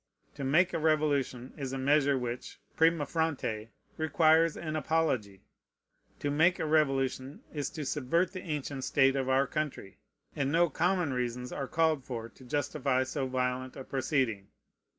To make a revolution is a measure which, primâ fronte, requires an apology. To make a revolution is to subvert the ancient state of our country; and no common reasons are called for to justify so violent a proceeding.